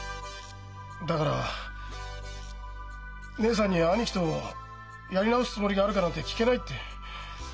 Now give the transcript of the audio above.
だから義姉さんに兄貴とやり直すつもりがあるかなんて聞けないって。